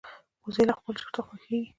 وزې له خپلو چرته خوښيږي